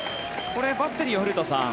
これ、バッテリーは古田さん